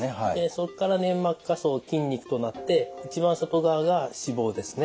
そこから粘膜下層筋肉となって一番外側が脂肪ですね。